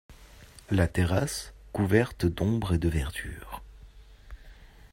La terrasse couverte d’ombre et de verdure.